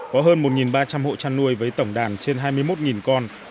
có hơn một ba trăm linh hộ trăn nuôi với tổng đảng trên hai mươi một con